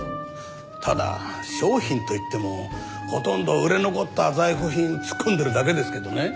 ただ商品といってもほとんど売れ残った在庫品突っ込んでるだけですけどね。